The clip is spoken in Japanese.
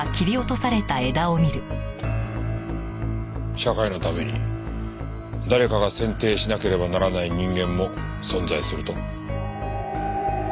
社会のために誰かが剪定しなければならない人間も存在すると？